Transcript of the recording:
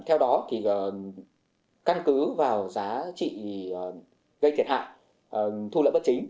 theo đó thì căn cứ vào giá trị gây thiệt hại thu lợi bất chính